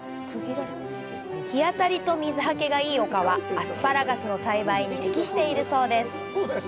日当たりと水はけがいい丘はアスパラガスの栽培に適しているそうです。